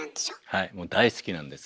はいもう大好きなんです。